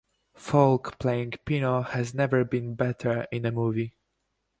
Falk, playing Pino, has never been better in a movie.